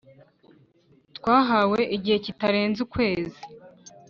Twahawe igihe kitarenze ukwezi